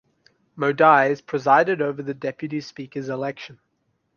Modise presided over the Deputy Speaker’s election.